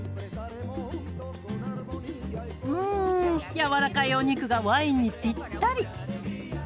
軟らかいお肉がワインにぴったり。